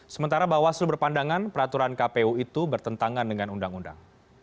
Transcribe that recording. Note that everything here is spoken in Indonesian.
sementara bawaslu berpandangan peraturan kpu itu bertentangan dengan undang undang